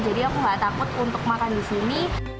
jadi aku nggak takut untuk makan di sini